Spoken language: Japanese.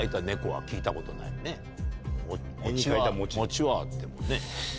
餅はあってもね。